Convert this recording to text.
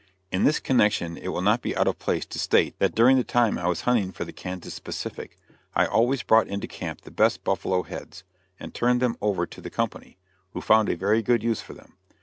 In this connection it will not be out of place to state that during the time I was hunting for the Kansas Pacific, I always brought into camp the best buffalo heads, and turned them over to the company, who found a very good use for them.